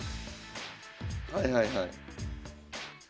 はいはいはい。